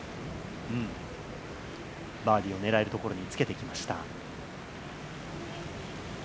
バーディーを狙えるところにつけてきました。